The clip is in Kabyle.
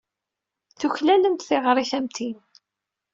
Tuklalemt tiɣrit am tin!